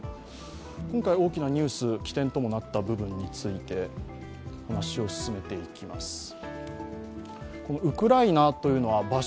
今回の大きなニュース、起点ともなった部分について話を進めていきます。